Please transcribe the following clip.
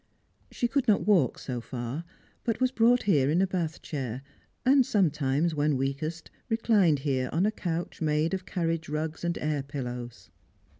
She could not walk so far, but was brought here in a bath chair, and sometimes, when weakest, reclined here on a S90 Strangers and Pilgrims. couch made of carriage rugs and air pillows.